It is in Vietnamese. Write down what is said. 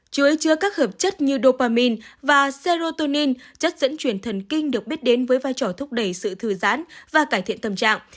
chứa chứa các hợp chất như dopamin và cerrotonin chất dẫn chuyển thần kinh được biết đến với vai trò thúc đẩy sự thư giãn và cải thiện tâm trạng